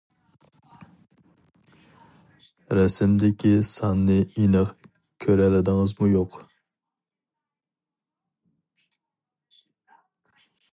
رەسىمدىكى ساننى ئېنىق كۆرەلىدىڭىزمۇ يوق؟ !